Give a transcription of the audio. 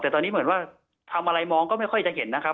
แต่ตอนนี้เหมือนว่าทำอะไรมองก็ไม่ค่อยจะเห็นนะครับ